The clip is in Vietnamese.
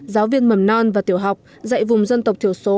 giáo viên mầm non và tiểu học dạy vùng dân tộc thiểu số